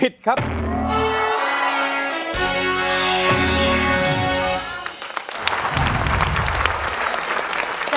โทษให้